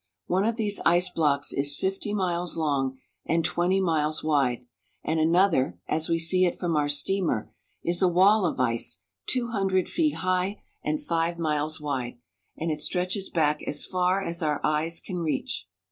One of these ice blocks is fifty miles long and twenty miles wide, and another, as we see it from our steamer, is a wall of ice two hundred feet high and five miles wide, and it stretches back as far as our eyes can reach.